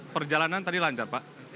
perjalanan tadi lancar pak